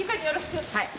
はい。